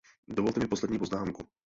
Dovolte mi poslední poznámku.